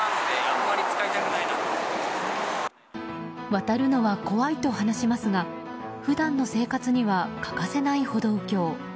渡るのは怖いと話しますが普段の生活には欠かせない歩道橋。